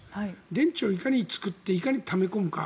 電池をいかに作っていかにため込むか。